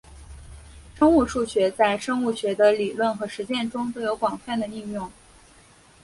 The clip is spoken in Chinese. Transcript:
生物数学在生物学的理论和实践中都有广泛的应用。